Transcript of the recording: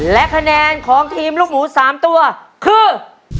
และคะแนนของทีมลูกหมู๓ตัวคือ